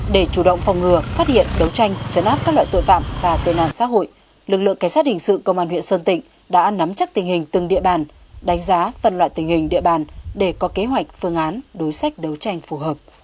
để chủ động phòng ngừa phát hiện đấu tranh chấn áp các loại tội phạm và tên nạn xã hội lực lượng cảnh sát hình sự công an huyện sơn tịnh đã nắm chắc tình hình từng địa bàn đánh giá phân loại tình hình địa bàn để có kế hoạch phương án đối sách đấu tranh phù hợp